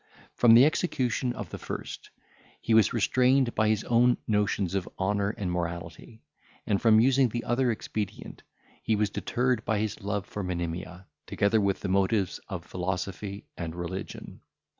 From the execution of the first he was restrained by his own notions of honour and morality; and, from using the other expedient, he was deterred by his love for Monimia, together with the motives of philosophy and religion.